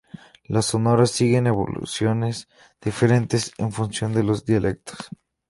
Las sonoras siguen evoluciones diferentes en función de los dialectos.